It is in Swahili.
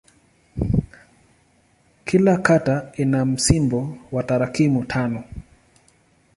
Kila kata ina msimbo wa tarakimu tano.